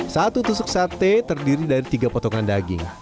satu tusuk sate terdiri dari tiga potongan daging